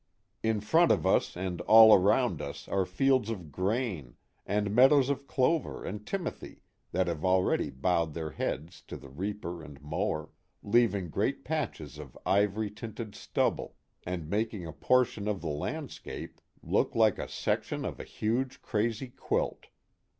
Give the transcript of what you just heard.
In front of us and all around us are fields of grain and meadows of clover and timothy that have already bowed their heads to the reaper and mower, leaving great patches of ivory tinted stubble, and making a portion of the landscape look j6 402 The Mohawk Valley ^^^| like a section of a huge crazy quilt.